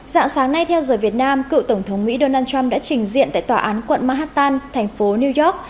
dạng sáng nay theo giờ việt nam cựu tổng thống mỹ donald trump đã trình diện tại tòa án quận manhattan thành phố new york